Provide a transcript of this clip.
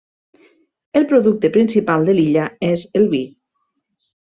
El producte principal de l'illa és el vi.